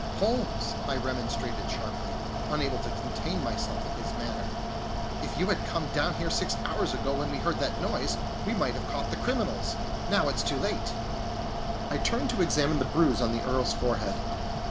"Holmes," I remonstrated sharply, unable to contain myself at his manner, "if you had come down here six hours ago when we heard that noise, we might have caught the criminals! Now it's too late." And I turned to examine the bruise on the Earl's forehead.